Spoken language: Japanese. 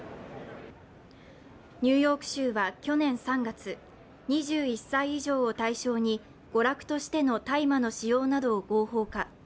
ニューヨーク州は去年３月２１歳以上を対象に娯楽としての大麻の使用などを合法化。